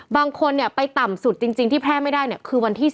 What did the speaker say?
บางคนไปต่ำสุดจริงที่แพร่ไม่ได้เนี่ยคือวันที่๓